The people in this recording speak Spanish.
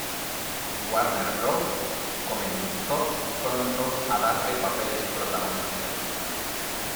Warner Bros comenzó pronto a darle papeles protagonistas.